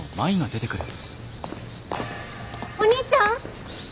お兄ちゃん？